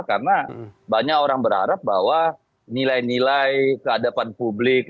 karena banyak orang berharap bahwa nilai nilai kehadapan publik